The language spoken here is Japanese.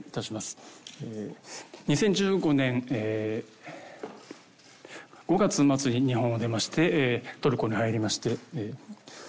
２０１５年５月末に日本を出ましてトルコに入りまして取材を進めるうちに。